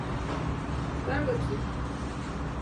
Ver bakayım.